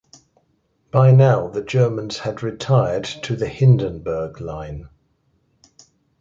By now the Germans had retired to the Hindenburg Line.